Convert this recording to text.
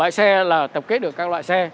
bãi xe là tập kết được các loại xe